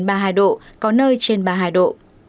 nhiệt độ cao nhất ba mươi hai ba mươi hai độ